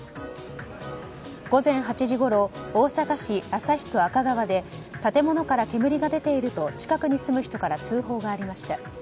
午前８時ごろ、大阪市旭区赤川で建物から煙が出ていると近くに住む人から通報がありました。